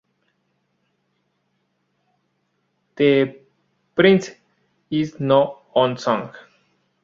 The prince is no one's son.